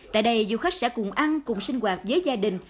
tại đây du khách sẽ cùng ăn cùng sinh hoạt với gia đình